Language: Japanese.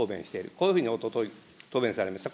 こういうふうにおととい答弁されました。